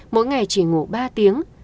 mỗi ngày chỉ ngủ ba tiếng